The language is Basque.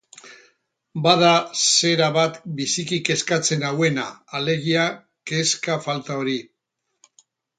Bada zera bat biziki kezkatzen nauena, alegia kezka falta hori.